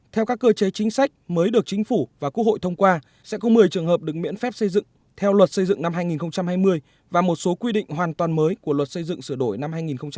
theo các cơ chế chính sách mới được chính phủ và quốc hội thông qua sẽ có một mươi trường hợp được miễn phép xây dựng theo luật xây dựng năm hai nghìn hai mươi và một số quy định hoàn toàn mới của luật xây dựng sửa đổi năm hai nghìn hai mươi